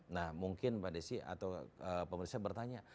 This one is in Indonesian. nah mungkin pak desi atau pak melissa bertanya